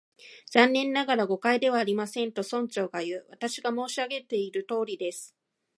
「残念ながら、誤解ではありません」と、村長がいう。「私が申し上げているとおりです」